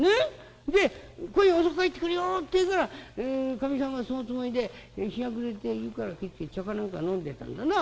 で『今夜遅く帰ってくるよ』って言うからかみさんがそのつもりで日が暮れて湯から帰って茶か何か飲んでたんだな。